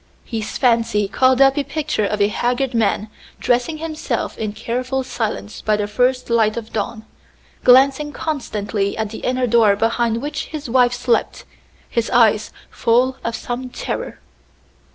His fancy called up a picture of a haggard man dressing himself in careful silence by the first light of dawn, glancing constantly at the inner door behind which his wife slept, his eyes full of some terror.